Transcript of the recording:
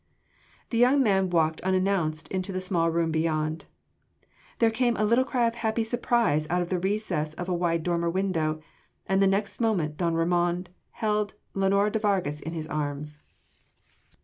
The young man walked unannounced into the small room beyond. There came a little cry of happy surprise out of the recess of a wide dormer window, and the next moment don Ramon held Lenora de Vargas in his arms.